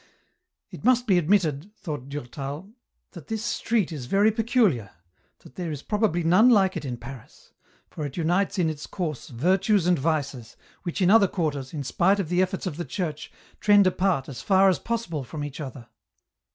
" It must be admitted," thought Durtal, that this street is very peculiar, that there is probably none like it in Paris, for it unites in its course virtues and vices, which in other quarters, in spite of the efTorts of the Church, trend apart as far as possible from each other."